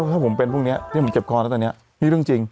ถ้าผมเป็นพรุ่งเนี้ยที่ผมเจ็บคอแล้วตอนเนี้ยมีเรื่องจริง